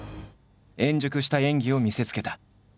円熟した演技を見せつけた。